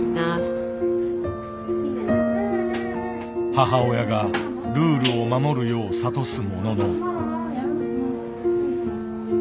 母親がルールを守るよう諭すものの。